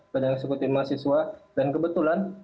bandar sekutu imah siswa dan kebetulan